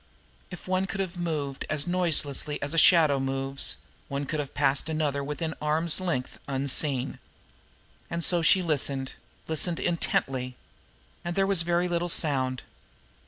If one could have moved as noiselessly as a shadow moves, one could have passed another within arm's length unseen. And so she listened, listened intently. And there was very little sound.